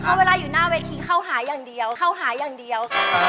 เพราะว่าอยู่หน้าเว้นทีเข้าหาอย่างเดียว